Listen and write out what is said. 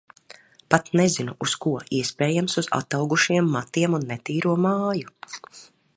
Pat nezinu, uz ko. Iespējams, uz ataugušajiem matiem un netīro māju.